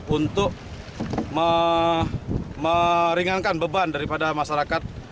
untuk meringankan beban daripada masyarakat